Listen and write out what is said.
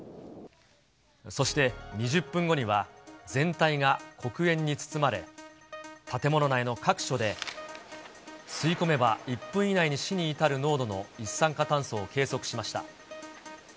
そして２０分後には、全体が黒煙に包まれ、建物内の各所で、吸い込めば１分以内に死に至る濃度の一酸化炭素を計測しました。